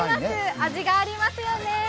あじがありますよね。